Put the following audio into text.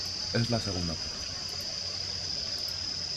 es la segunda parte.